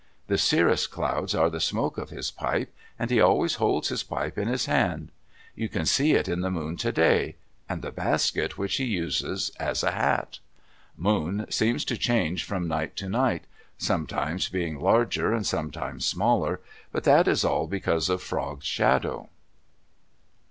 The cirrus clouds are the smoke of his pipe, and he always holds his pipe in his hand. You can see it in the moon today, and the basket which he uses as a hat. Moon seems to change from night to night, sometimes being larger and sometimes smaller, but that is all because of Frog's shadow.